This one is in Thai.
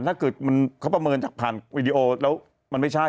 ถ้าเกิดเขาประเมินจากผ่านวีดีโอแล้วมันไม่ใช่